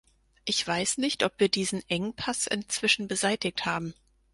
Ich weiß nicht, ob wir diesen Engpass inzwischen beseitigt haben.